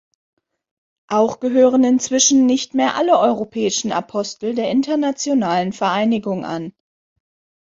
Auch gehören inzwischen nicht mehr alle europäischen Apostel der internationalen Vereinigung an.